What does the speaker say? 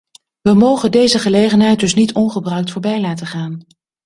We mogen deze gelegenheid dus niet ongebruikt voorbij laten gaan.